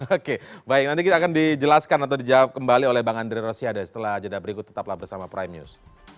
oke baik nanti kita akan dijelaskan atau dijawab kembali oleh bang andre rosiade setelah jeda berikut tetaplah bersama prime news